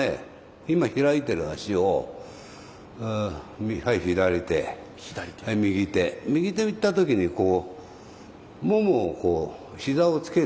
今開いてる足をはい左手はい右手右手いった時にこうももをこう膝をつける。